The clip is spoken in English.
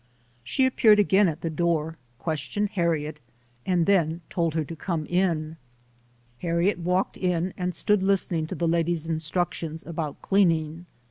She appeared again at the door, questioned Har riet and then told her to come in. Harriet walked in and stood listening to the lady's instructions about cleaning.